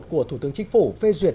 của thủ tướng chính phủ phê duyệt